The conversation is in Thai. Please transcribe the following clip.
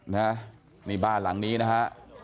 แล้วมีบ้านหลังนี้นะฮะ